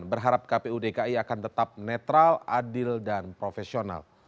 berharap kpu dki akan tetap netral adil dan profesional